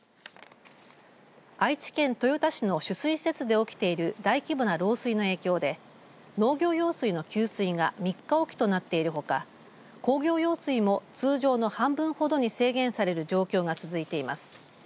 愛知県豊田市の取水施設で起きている大規模な漏水の影響で農業用水の給水が３日置きとなっているほか工業用水も通常の半分ほどに制限される状況が続いています。